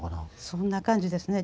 そんな感じですね。